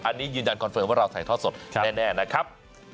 อันนี้ยืนยันคอนเฟิร์มว่าเราถ่ายทอดสดแน่นะครับ